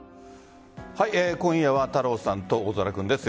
今夜は太郎さんと大空君です。